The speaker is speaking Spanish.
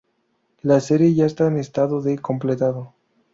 La serie ya está en estado de completado.